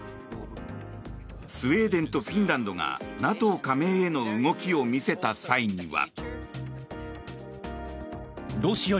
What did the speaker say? スウェーデンとフィンランドがＮＡＴＯ加盟への動きを見せた際には。